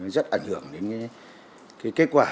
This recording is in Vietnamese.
rất ảnh hưởng đến kết quả